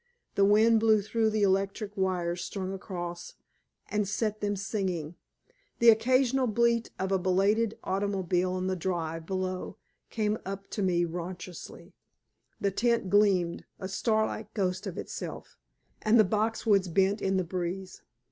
The wind blew through the electric wires strung across and set them singing. The occasional bleat of a belated automobile on the drive below came up to me raucously. The tent gleamed, a starlit ghost of itself, and the boxwoods bent in the breeze.